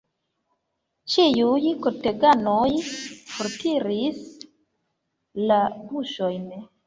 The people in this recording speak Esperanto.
Ĉiuj korteganoj fortiris la buŝojn.